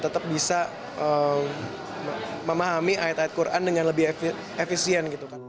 tetap bisa memahami ayat ayat quran dengan lebih efisien